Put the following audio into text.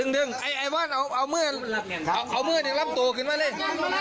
ดึงเอามือแรมโตขึ้นมาเลย